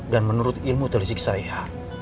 dan menurut ilmu telisik saya